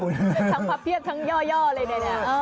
ทั้งพับเทียบทั้งย่อเลย